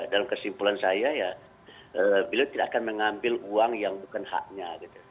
dalam kesimpulan saya ya beliau tidak akan mengambil uang yang bukan haknya